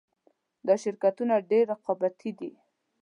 دا شرکتونه ډېر رقابتي دي